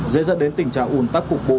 dễ dàng đến tình trạng ủn tắc cục bộ